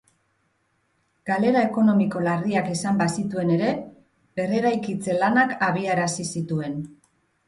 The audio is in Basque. Galera ekonomiko larriak izan bazituen ere, berreraikitze lanak abiarazi zituen.